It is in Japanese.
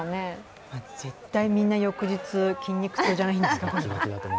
絶対みんな翌日筋肉痛じゃないですか？